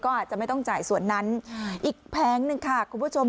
ก็อาจจะไม่ต้องจ่ายส่วนนั้นอีกแผงหนึ่งค่ะคุณผู้ชม